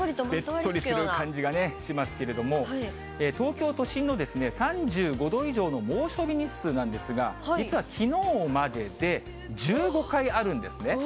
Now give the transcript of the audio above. べっとりとした感じがしますけれども、東京都心の３５度以上の猛暑日日数なんですが、実はきのうまでで１５回あるんですね。